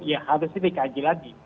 ya harusnya dikaji lagi